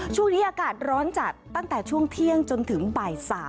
ช่วงนี้อากาศร้อนจัดตั้งแต่ช่วงเที่ยงจนถึงบ่าย๓